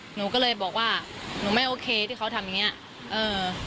หนูก็เลยบอกว่าหนูไม่โอเคที่เขาทำอย่างเงี้ยเออ